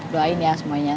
doain ya semuanya